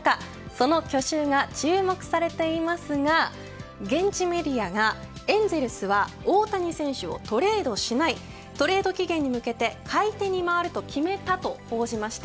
その去就が注目されていますが現地メディアがエンゼルスは大谷選手をトレードしないトレード期限に向けて買い手に回ると決めたと報じました。